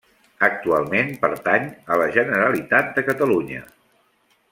Actualment pertany a la Generalitat de Catalunya.